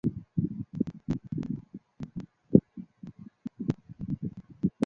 Posee un puerto y un aeropuerto.